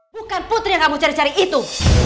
bukan putri yang kamu cari cari itu